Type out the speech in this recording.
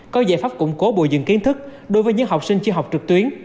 có giải pháp củng cố bùi dừng kiến thức đối với những học sinh chưa học trực tuyến